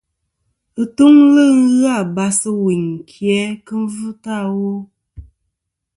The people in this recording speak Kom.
Atuŋlɨ ghɨ abas ɨ wuyn ki a kɨ yvɨtɨ awo.